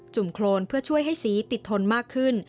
โครนเพื่อช่วยให้สีติดทนมากขึ้น